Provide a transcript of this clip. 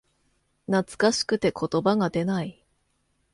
懐かしくて言葉が出ない